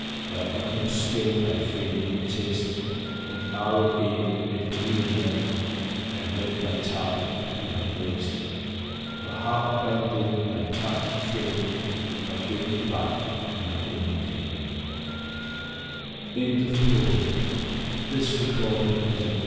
Thy utmost skill I fain would test ; One arrow aim at Lelia now, And let thy target be her breast ! Her heart bind in thy captive train, Or give me back my own again 1 THE DREAM OF LOVE.